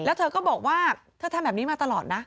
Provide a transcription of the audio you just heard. แล้วเธอก็บอกว่าเธอทำแบบนี้มาตลอดนะ